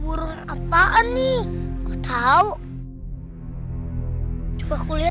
burung atau one nih kau tahu coba kulit